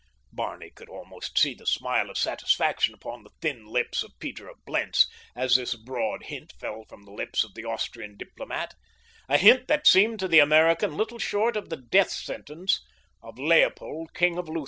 Barney could almost see the smile of satisfaction upon the thin lips of Peter of Blentz as this broad hint fell from the lips of the Austrian diplomat—a hint that seemed to the American little short of the death sentence of Leopold, King of Lutha.